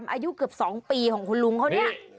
อายุเกือบ๒ปีของคุณลุงเขาเนี่ย